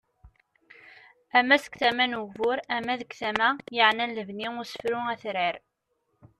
Ama seg tama n ugbur, ama deg talɣa yaɛnan lebni usefru atrar.